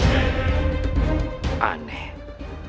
dan suatu menenangkan